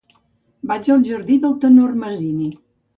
Vaig al jardí del Tenor Masini.